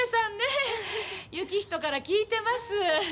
行人から聞いてます。